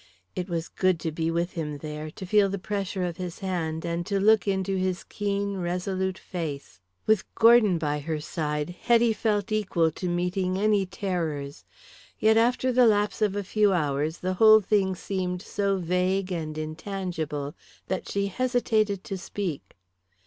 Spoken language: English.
It was good to be with him there, to feel the pressure of his hand, and to look into his keen, resolute face. With Gordon by her side Hetty felt equal to meeting any terrors. Yet after the lapse of a few hours the whole thing seemed so vague and intangible that she hesitated to speak.